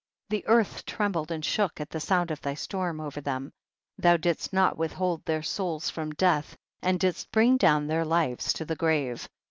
The earth trembled and shook at the sound of thy storm over them, thou didst not withhold their souls from death, and didst bring down their lives to the grave.